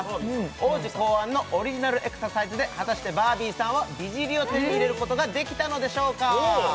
王子考案のオリジナルエクササイズで果たしてバービーさんは美尻を手に入れることができたのでしょうか？